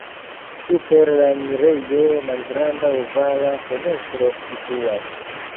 Super la enirejo malgranda ovala fenestro situas.